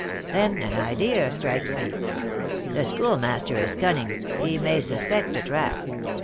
Then an idea strikes me: the Schoolmaster is cunning, he may suspect a trap.